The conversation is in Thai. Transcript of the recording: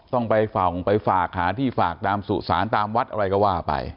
ต้องไปฝั่งไปฝากหาที่ฝากตามสุสานตามวัดอะไรก็ว่าไป